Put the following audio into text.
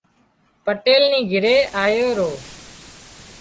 پٽيل نِي گھري آيو رو